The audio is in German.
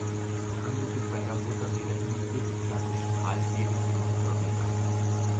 Die Anmutung beider Motorräder imitiert die klassischen Harley-Davidson Motorräder.